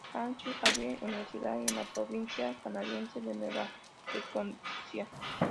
Francis Xavier University, en la provincia canadiense de Nueva Escocia.